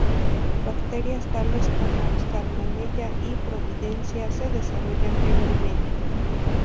Bacterias tales como "Salmonella" y "Providencia" se desarrollan en el medio.